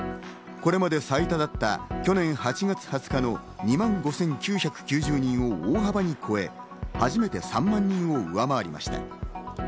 これまで最多だった去年８月２０日の２万５９９０人を超え初めて３万人を上回りました。